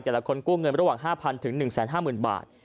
แต่ละคนกู้เงินระหว่าง๕๐๐ถึง๑๕๐๐๐บาท